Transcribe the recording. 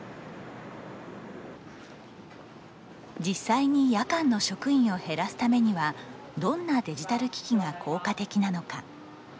実際に夜間の職員を減らすためにはどんなデジタル機器が効果的なのか。